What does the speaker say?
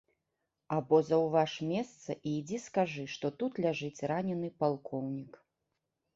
Або заўваж месца і ідзі скажы, што тут ляжыць ранены палкоўнік.